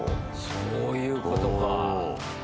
そういうことか。